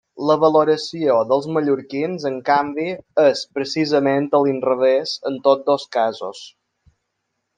La valoració dels mallorquins, en canvi, és precisament a l'inrevés en tots dos casos.